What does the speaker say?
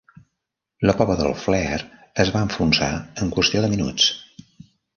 La popa del "Flare" es va enfonsar en qüestió de minuts.